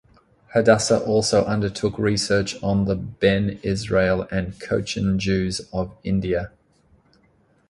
Hadassah also undertook research on the Bene Israel and Cochin Jews of India.